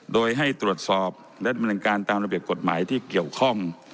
โดยให้ตรวจสอบและการเตรียมกฎหมายที่เกี่ยวข้อง